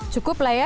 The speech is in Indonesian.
cukup lah ya